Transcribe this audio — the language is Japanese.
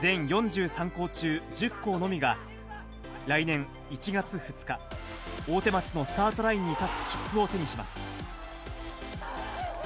全４３校中、１０校のみが、来年１月２日、大手町のスタートラインに立つ切符を手にします。